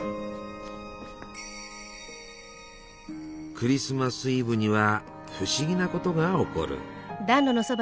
クリスマス・イブには不思議なことが起こる。